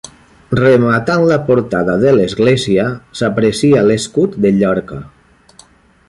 Rematant la portada de l'església s'aprecia l'escut de Llorca.